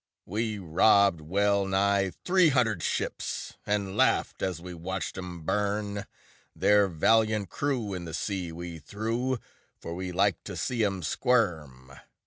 We robbed well nigh three hundred ships, And laughed as we watched 'em burn; Their valiant crew in the sea we threw, For we liked to see 'em squirm.